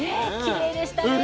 きれいでしたね。